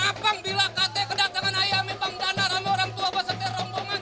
rame orang tua beserta rombongan